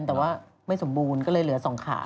แต่ว่าไม่สมบูรณ์ก็เลยเหลือ๒ขา